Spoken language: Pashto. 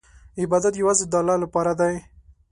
عبادت یوازې د الله لپاره دی.